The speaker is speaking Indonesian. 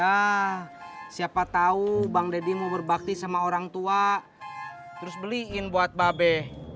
ya siapa tahu bang deddy mau berbakti sama orang tua terus beliin buat babe